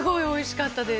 おいしかった？